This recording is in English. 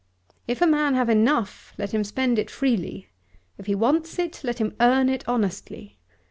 If a man have enough, let him spend it freely. If he wants it, let him earn it honestly.